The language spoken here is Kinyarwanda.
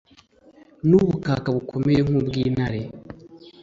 N'ubukaka bukomeye nk’ubwintare